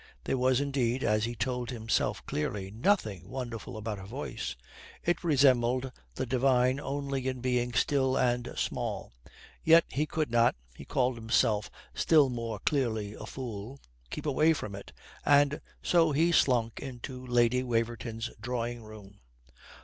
There was indeed (as he told himself clearly) nothing wonderful about her voice it resembled the divine only in being still and small. Yet he could not (he called himself still more clearly a fool) keep away from it, and so he slunk into Lady Waverton's drawing room.